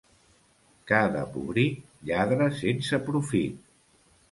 Ca de pobric lladra sense profit.